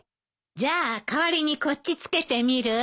じゃあ代わりにこっち着けてみる？